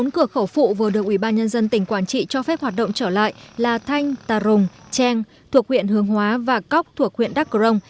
bốn cửa khẩu phụ vừa được ủy ban nhân dân tỉnh quảng trị cho phép hoạt động trở lại là thanh ta rồng trang thuộc huyện hương hóa và cóc thuộc huyện đắc cửa rồng